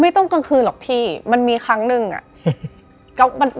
ไม่ต้องกลางคืนหรอกพี่มันมีครั้งหนึ่งอะ